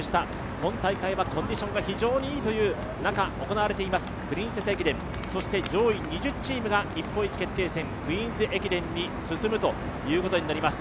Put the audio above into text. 今大会はコンディションが非常にいいという中、行われています「プリンセス駅伝」、そして上位２０チームが日本一決定戦「クイーンズ駅伝」に進むということになります。